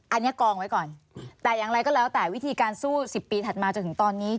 อันนี้กองไว้ก่อนแต่อย่างไรก็แล้วแต่วิธีการสู้๑๐ปีถัดมาจนถึงตอนนี้